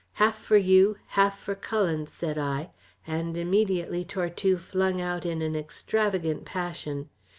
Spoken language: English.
"Half for you, half for Cullen," said I; and immediately Tortue flung out in an extravagant passion.